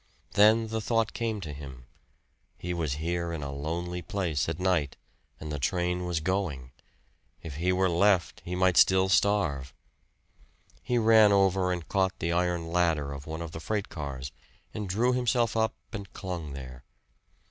Then the thought came to him he was here in a lonely place at night, and the train was going! If he were left he might still starve. He ran over and caught the iron ladder of one of the freight cars and drew himself up and clung there.